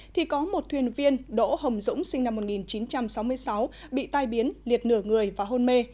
thì có một thuyền viên đỗ hồng dũng sinh năm một nghìn chín trăm sáu mươi sáu bị tai biến liệt nửa người và hôn mê